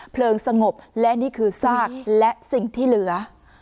เพลิงสงบและนี่คือซากและสิ่งที่เหลือ